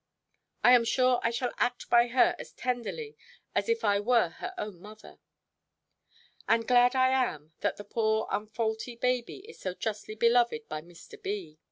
I am sure I shall act by her as tenderly as if I was her own mother. And glad I am, that the poor unfaulty baby is so justly beloved by Mr. B.